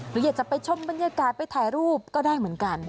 หรืออยากจะไปชมบรรยากาศไปถ่ายรูปก็ได้เหมือนกัน